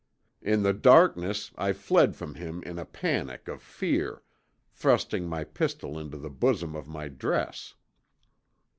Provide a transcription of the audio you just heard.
"In the darkness I fled from him in a panic of fear, thrusting my pistol into the bosom of my dress.